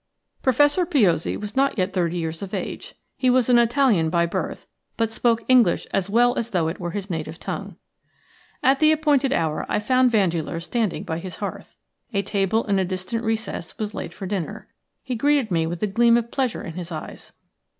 Professor Piozzi was not yet thirty years of age. He was an Italian by birth, but spoke English as well as though it were his native tongue. At the appointed hour I found Vandeleur standing by his hearth. A table in a distant recess was laid for dinner. He greeted me with a gleam of pleasure in his eyes.